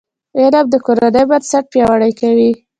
علم د کورنۍ بنسټ پیاوړی کوي.